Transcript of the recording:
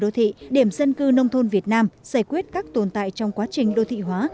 đô thị điểm dân cư nông thôn việt nam giải quyết các tồn tại trong quá trình đô thị hóa